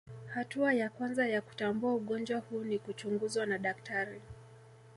Hatua ya kwanza ya kutambua ugonjwa huu ni kuchunguzwa na daktari